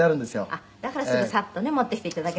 「あっだからすぐサッとね持ってきて頂けたんですね」